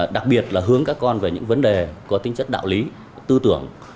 đặc biệt là hướng các con về những vấn đề có tính chất đạo lý tư tưởng